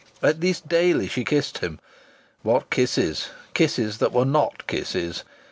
At least daily she had kissed him what kisses! Kisses that were not kisses!